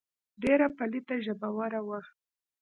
ډېره پليته ژبوره وه.